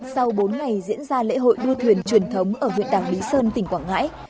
sau bốn ngày diễn ra lễ hội đua thuyền truyền thống ở huyện đảo lý sơn tỉnh quảng ngãi